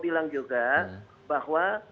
bilang juga bahwa